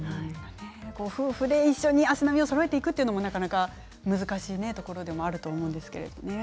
夫婦で一緒に足並みをそろえていくというのはなかなか難しいところでもあると思うんですけどね。